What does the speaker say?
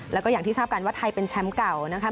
แล้วก็อย่างที่ทราบกันว่าไทยเป็นแชมป์เก่านะคะ